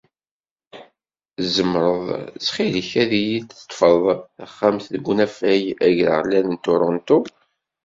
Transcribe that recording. Tzemreḍ ttxil-k ad yi-d-teṭṭfeḍ taxxamt deg unafag agraɣlan n Toronto?